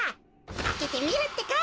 あけてみるってか！